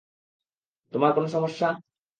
তোমার কোনো সমস্যা?